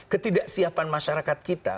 ketidaksiapan masyarakat kita